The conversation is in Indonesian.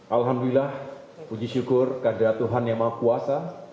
alhamdulillah puji syukur keadaan tuhan yang mengkuasa